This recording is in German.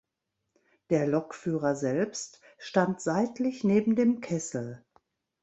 Der Lokführer selbst stand seitlich neben dem Kessel.